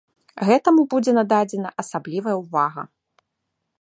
Гэтаму будзе нададзена асаблівая ўвага.